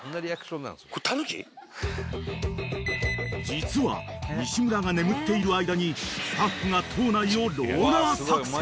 ［実は西村が眠っている間にスタッフが島内をローラー作戦］